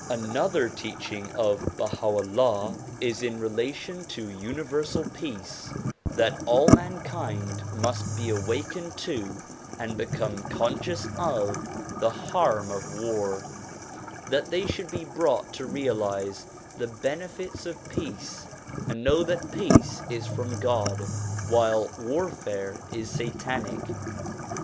Another teaching of Baha 'Ullah is in relation to Universal Peace; that all mankind must be awakened to and become con scious of the harm of war; that they should be brought to realize the benefits of peace and know that peace is from God while war fare is Satanic.